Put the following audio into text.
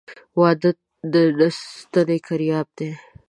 واده د نه ستني کرياب دى.